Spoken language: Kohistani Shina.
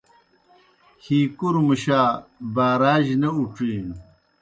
ہی کُروْ مُشا باراجیْ نہ اُڇِھینوْ۔